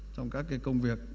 trong các cái công việc